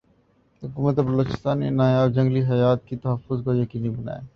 حکومت بلوچستان ان نایاب جنگلی حیات کی تحفظ کو یقینی بنائے